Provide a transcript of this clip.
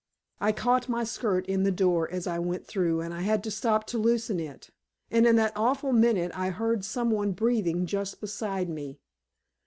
I caught my skirt in the door as I went through, and I had to stop to loosen it. And in that awful minute I heard some one breathing just beside me.